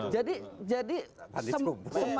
jadi jadi semangatnya